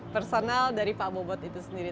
personal dari pak bobot itu sendiri